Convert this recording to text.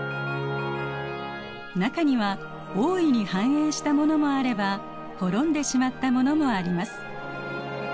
中には大いに繁栄したものもあれば滅んでしまったものもあります。